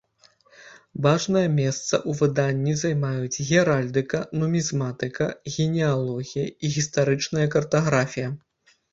Важнае месца ў выданні займаюць геральдыка, нумізматыка, генеалогія і гістарычная картаграфія.